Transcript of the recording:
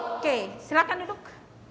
oke silakan duduk